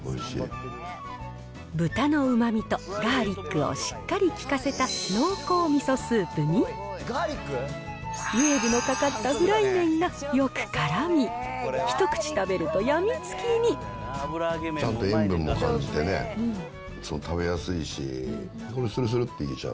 豚のうまみとガーリックをしっかり効かせた濃厚味噌スープに、ウェーブのかかったフライ麺がよくからみ、ちゃんと塩分も感じてね、食べやすいし、するするっていけちゃう。